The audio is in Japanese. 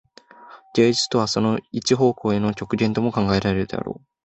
芸術とはその一方向への極限とも考えられるであろう。